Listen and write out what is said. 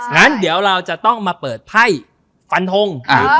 งั้นเดี๋ยวเราจะต้องมาเปิดไพ่ฟันทง